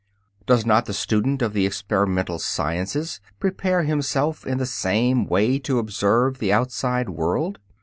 Does not the student of the experimental sciences prepare himself in the same way to observe the outside world?